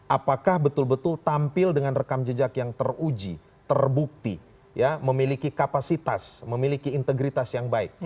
apakah betul betul tampil dengan rekam jejak yang teruji terbukti memiliki kapasitas memiliki integritas yang baik